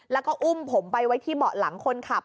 แล้วก็อุ้มผมไปไว้ที่เบาะหลังคนขับ